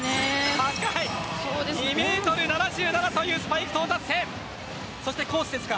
高い、２メートル７７というスパイク到達点、そしてコース。